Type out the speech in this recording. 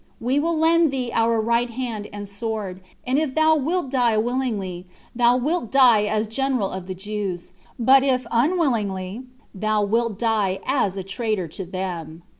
We will lend thee our right hand and a sword; and if thou wilt die willingly, thou wilt die as general of the Jews; but if unwillingly, thou wilt die as a traitor to them."